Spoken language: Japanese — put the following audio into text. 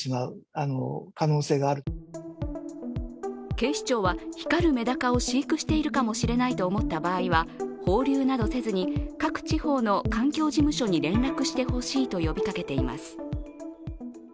警視庁は光るメダカを飼育しているかもしれないと思った場合は放流などせずに各地方の環境事務所に連絡してほしいと呼びかけています。